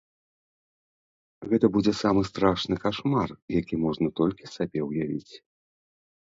Гэта будзе самы страшны кашмар, які можна толькі сабе ўявіць.